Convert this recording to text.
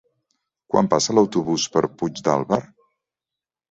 Quan passa l'autobús per Puigdàlber?